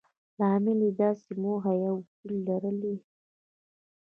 لامل يې داسې موخه يا اصول لرل وي.